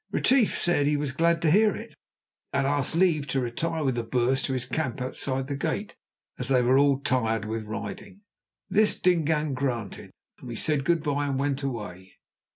Retief said he was glad to hear it, and asked leave to retire with the Boers to his camp outside the gate, as they were all tired with riding. This Dingaan granted, and we said good bye and went away.